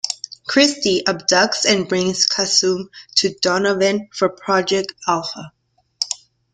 Christie abducts and brings Kasumi to Donovan for Project Alpha.